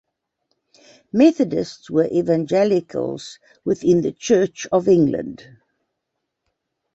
Methodists were evangelicals within the Church of England.